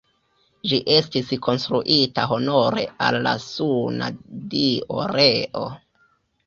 Ĝi estis konstruita honore al la suna dio Reo.